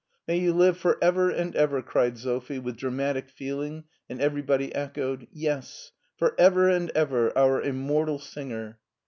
" May you live for ever and ever," cried Sophie with dramatic feeling, and everybody echoed, "Yes, for ever and ever, our immortal singer."